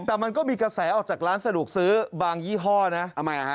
แต่มันก็มีกระแสออกจากร้านสะดวกซื้อบางยี่ห้อนะทำไมอ่ะฮะ